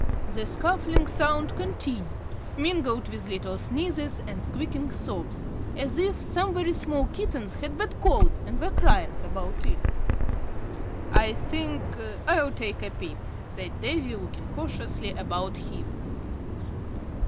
The scuffling sound continued, mingled with little sneezes and squeaking sobs, as if some very small kittens had bad colds and were crying about it. "I think I'll take a peep," said Davy, looking cautiously about him.